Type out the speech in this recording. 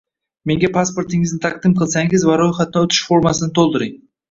Menga pasportingizni taqdim qilsangiz va ro'yxatdan o'tish formasini to'ldiring.